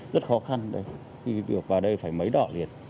rất khó khăn khi được vào đây phải mấy đỏ liền